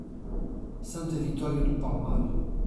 Santa Vitória do Palmar